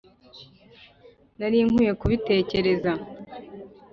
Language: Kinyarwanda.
nari nkwiye kubitekereza.